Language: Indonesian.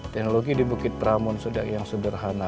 teknologi di bukit pramun sudah yang sederhana